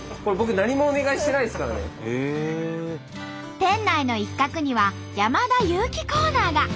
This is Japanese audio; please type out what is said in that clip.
店内の一角には山田裕貴コーナーが。